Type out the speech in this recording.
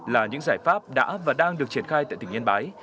là những giải pháp đã và đang được triển khai tại tỉnh yên bái